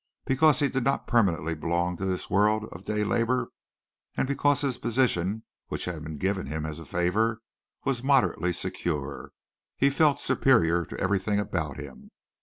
Because he did not permanently belong to this world of day labor and because his position which had been given him as a favor was moderately secure, he felt superior to everything about him.